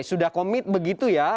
sudah komit begitu ya